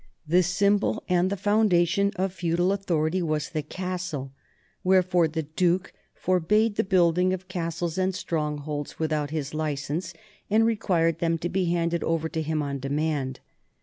The symbol and the foundation of feudal authority was the castle, wherefore the duke forbade the building of castles and strongholds without his license and required them to be handed over to him on demand.